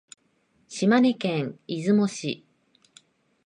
島根県出雲市